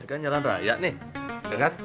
ini kan jalan raya nih kan